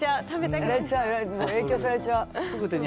影響されちゃう。